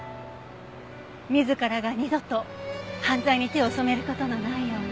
自らが二度と犯罪に手を染める事のないように。